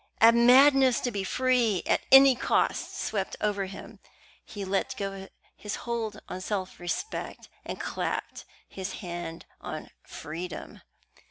A madness to be free at any cost swept over him. He let go his hold on self respect, and clapped his hand on freedom.